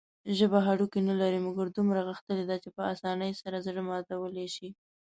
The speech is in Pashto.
ژبه هډوکي نلري، مګر دومره غښتلي ده چې په اسانۍ سره زړه ماتولى شي.